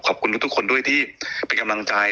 ขอบคุณทุกคนที่ไปกำลังใจ